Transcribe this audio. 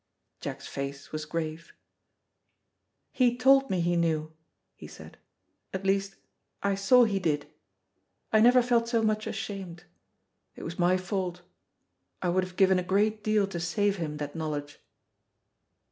Jack's face was grave. "He told me he knew," he said; "at least, I saw he did. I never felt so much ashamed. It was my fault. I would have given a great deal to save him that knowledge."